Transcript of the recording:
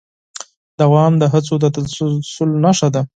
دوام د هڅو د تسلسل نښه ده.